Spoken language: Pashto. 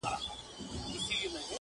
چي امیر خلک له ځانه وه شړلي.!